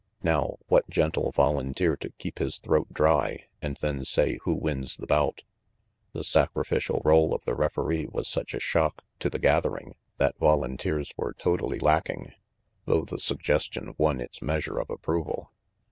Now, what gent'll volunteer to keep his throat dry and then say who wins the bout?" The sacrificial role of the referee was such a shock to the gathering that volunteers were totally lacking, though the suggestion won its measure of approval.